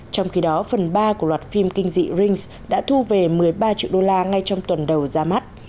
trong khi đó phần ba của loạt phim kinh dị rings đã thu về một mươi ba triệu đô la ngay trong tuần đầu ra mắt